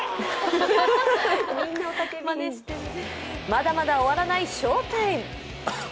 まだまだ終わらない翔タイム。